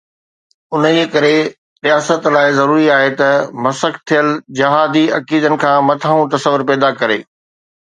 انهيءَ ڪري رياست لاءِ ضروري آهي ته مسخ ٿيل جهادي عقيدن کان مٿانهون تصور پيدا ڪري.